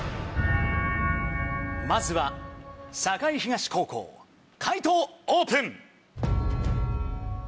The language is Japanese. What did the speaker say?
まずは栄東高校解答オープン！